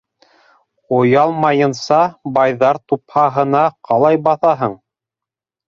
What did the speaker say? Оялмайынса байҙар тупһаһына ҡалай баҫаһың?